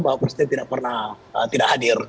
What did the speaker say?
bapak presiden tidak pernah hadir